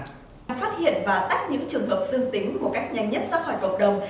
phát hiện và tắt những trường hợp xương tính một cách nhanh nhất ra khỏi cộng đồng